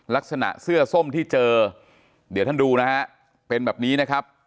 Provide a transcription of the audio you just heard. ลักษณะเสื้อส้มที่เจอเดี๋ยวท่านดูนะฮะเป็นแบบนี้นะครับ